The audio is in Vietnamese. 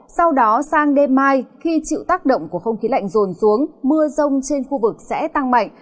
sau đó sang đêm mai khi chịu tác động của không khí lạnh rồn xuống mưa rông trên khu vực sẽ tăng mạnh